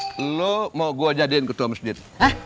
pada saat ini saya mau jadi ketua masjid